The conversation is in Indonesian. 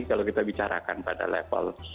kalau kita bicarakan pada level